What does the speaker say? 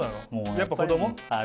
やっぱ子供？